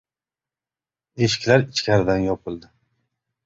Eshiklar ichkaridan yopildi.